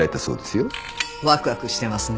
ワクワクしてますね。